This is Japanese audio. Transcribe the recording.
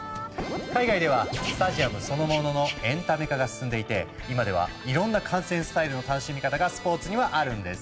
海外ではスタジアムそのもののエンタメ化が進んでいて今ではいろんな観戦スタイルの楽しみ方がスポーツにはあるんです。